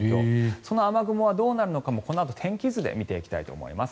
その雨雲はどうなるのかも天気図で見ていきたいと思います。